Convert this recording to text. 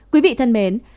quý vị thân mến